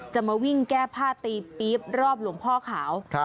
จะมาวิ่งแก้ผ้าตีปี๊บรอบหลวงพ่อขาว